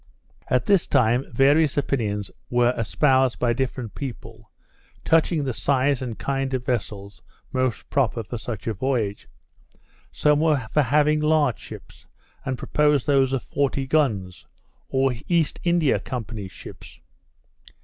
At this time various opinions were espoused by different people, touching the size and kind of vessels most proper for such a voyage. Some were for having large ships, and proposed those of forty guns, or East India Company's ships.